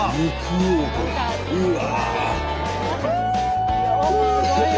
うわ！